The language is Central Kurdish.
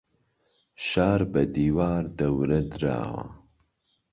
شار بە دیوار دەورە دراوە.